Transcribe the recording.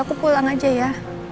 aku pulang aja ya